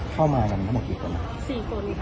เข้ามาทั้งทั้งปีกี่คน